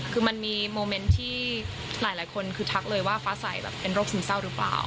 คือมันมีโมเมนต์ที่หลายคนคือทักเลยว่าฟ้าใสแบบเป็นโรคซึมเศร้าหรือเปล่า